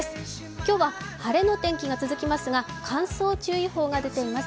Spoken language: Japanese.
今日は彼の天気が続きますが乾燥注意報が出ています。